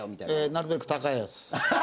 なるべく高いやつ。